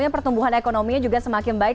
pertumbuhan ekonominya juga semakin baik